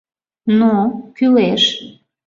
Но — кӱлеш!..